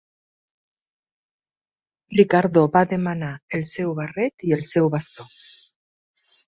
Ricardo va demanar el seu barret i el seu bastó.